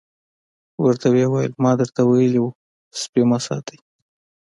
ورته ویې ویل ما درته ویلي وو سپي مه ساتئ.